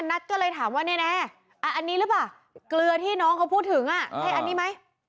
นัทก็เลยถามว่าแน่อันนี้หรือเปล่าเกลือที่น้องเขาพูดถึงใช่อันนี้ไหม